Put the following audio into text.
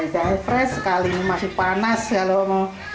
jangan fresh sekali masih panas kalau mau